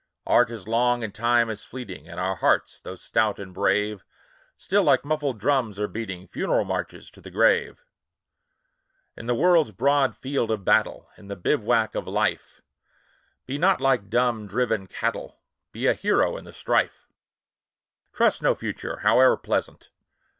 Art is long, and Time is fleeting, And our hearts, though stout and brave, Still, like muffled drums, are beating Funeral marches to the grave. In the world's broad field of battle, In the bivouac of Life, Be not like dumb, driven cattle ! Be a hero in the strife ! Trust no Future, howe'er pleasant